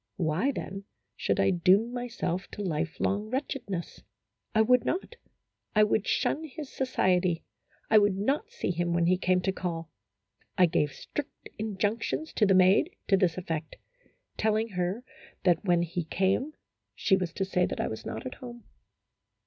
Why, then, should I doom myself to life long wretchedness? I would not. I would shun his society; I would not see him when he came to call. I gave strict injunctions to the maid to this effect, telling her that when he came she was to say that I was not at home.